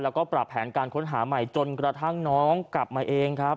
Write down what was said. แล้วก็ปรับแผนการค้นหาใหม่จนกระทั่งน้องกลับมาเองครับ